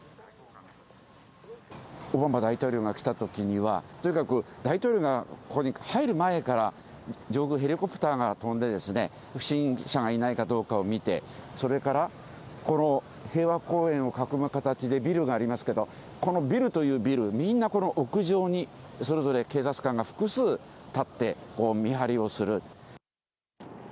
オバマ大統領が来たときには、とにかく大統領がここに入る前から、上空、ヘリコプターが飛んで、不審者がいないかどうかを見て、それから、この平和公園を囲む形でビルがありますけど、このビルというビル、みんな、この屋上に、それぞれ警察官が複数立って、見張りをする。